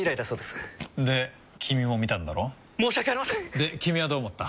で君はどう思った？